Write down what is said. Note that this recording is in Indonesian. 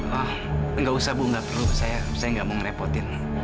wah enggak usah bu enggak perlu saya enggak mau ngerepotin